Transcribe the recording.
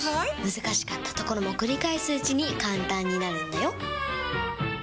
難しかったところも繰り返すうちに簡単になるんだよ！